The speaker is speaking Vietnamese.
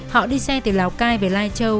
họ đi xe từ lào cai về lai châu